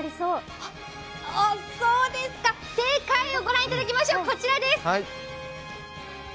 あっ、そうですか、正解をご覧いただきましょう。